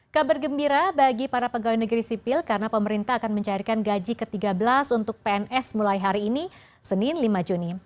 kabar gembira bagi para pegawai negeri sipil karena pemerintah akan mencairkan gaji ke tiga belas untuk pns mulai hari ini senin lima juni